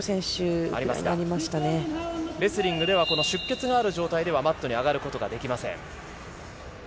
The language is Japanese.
レスリングでは出血がある状態ではマットに上がることができません。